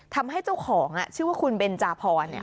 ทำให้เจ้าของชื่อว่าคุณเบนจาพร